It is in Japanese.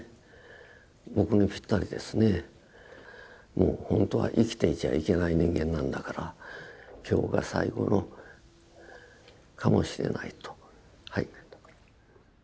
もうほんとは生きていちゃいけない人間なんだから今日が最後のかもしれないと。